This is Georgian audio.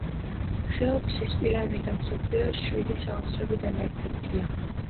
ხეოფსის პირამიდა მსოფლიოს შვიდი საოცრებიდან ერთ-ერთია.